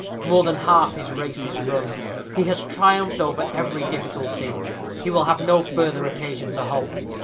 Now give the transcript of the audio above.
More than half his race is run. He has triumphed over every difficulty. He will have no further occasion to halt.